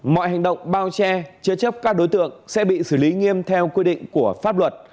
mọi hành động bao che chế chấp các đối tượng sẽ bị xử lý nghiêm theo quy định của pháp luật